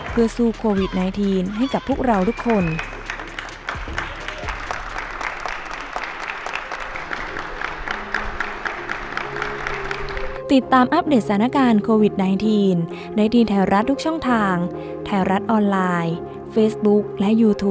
เพื่อสู้โควิด๑๙ให้กับพวกเราทุกคน